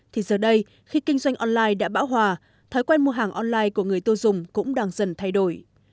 thì giờ đây khi kinh doanh online đã bão hòa thói quen mua hàng online của người tiêu dùng cũng đang dần thay đổi